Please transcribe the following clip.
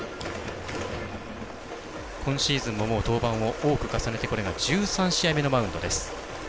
今シーズンももう登板を多く重ねて、これが１３試合目のマウンド。